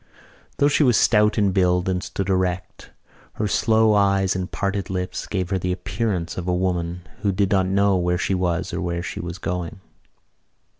Though she was stout in build and stood erect her slow eyes and parted lips gave her the appearance of a woman who did not know where she was or where she was going.